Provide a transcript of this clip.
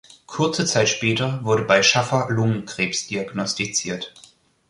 Kurze Zeit später wurde bei Shaffer Lungenkrebs diagnostiziert.